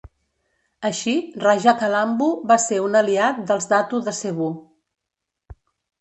Així, Rajah Calambu va ser un aliat dels datu de Cebú.